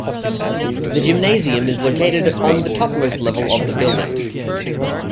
The gymnasium is located on the topmost level of the building.